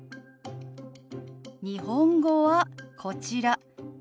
日本語はこちら「何時？」